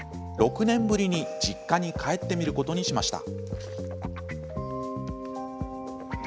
６年ぶりに実家に帰ってみることにしました。